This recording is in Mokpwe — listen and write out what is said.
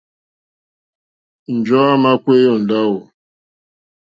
Njɔ̀ɔ́ àmà kpééyá ó ndáwù.